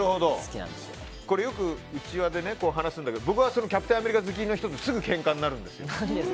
よく内輪で話すんだけど僕はキャプテン・アメリカ好きの人とすぐけんかになるんです。